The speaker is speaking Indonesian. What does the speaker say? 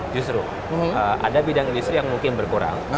justru ada bidang industri yang mungkin berkurang